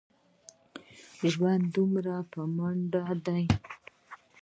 ژوند څومره په منډه دی.